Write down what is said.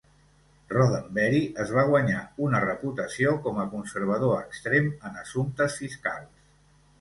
Roddenbery es va guanyar una reputació com a conservador extrem en assumptes fiscals.